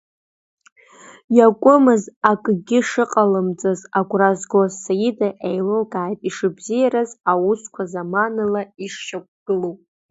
Иакәымыз акгьы шыҟалымҵаз агәра згоз Саида, еилылкааит ишыбзиараз, аусқәа заманала ишшьақәгылоу.